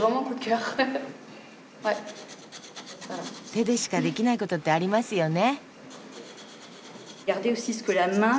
手でしかできない事ってありますよね。